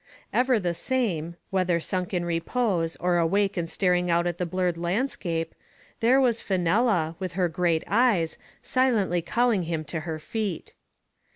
Ever the same, whether sunk in repose or awake and staring out at the blurred landscape, there was Fenella, with her great eyes, silently calling him to her feet.